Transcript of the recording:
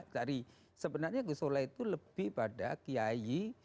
dari sebenarnya gusola itu lebih pada kiai